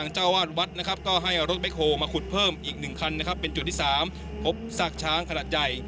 เจ้าวาดวัดนะครับก็ให้เอารถแบคโฮลมาขุดเพิ่มอีก๑คันนะครับเป็นจุดที่๓พบซากช้างขนาดใหญ่